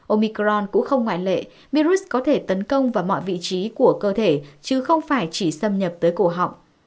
ômicron cũng không ngoại lệ virus có thể tấn công vào mọi vị trí của cơ thể chứ không phải chỉ xâm nhập tới cụ hỏng